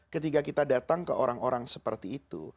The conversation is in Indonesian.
ketika kita datang ke orang orang seperti itu